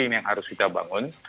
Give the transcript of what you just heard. ini yang harus kita bangun